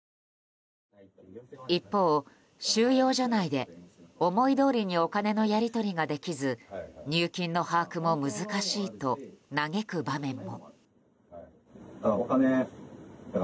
一方、収容所内で思いどおりにお金のやり取りができず入金の把握も難しいと嘆く場面も。